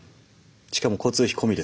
しかも交通費込みです。